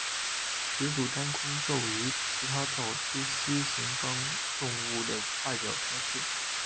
始祖单弓兽与其他早期蜥形纲动物的外表类似。